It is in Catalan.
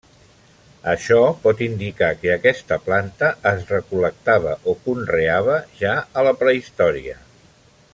Això pot indicar que aquesta planta es recol·lectava o conreava ja a la prehistòria.